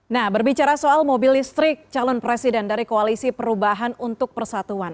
nah berbicara soal mobil listrik calon presiden dari koalisi perubahan untuk persatuan